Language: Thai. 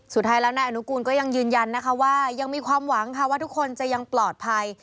สุดท้ายแล้วนายอนุกูลก็ยังยืนยันนะคะว่ายังมีความหวังค่ะว่าทุกคนจะยังปลอดภัย